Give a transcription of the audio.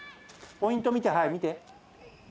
ポイント見て、はい、見て。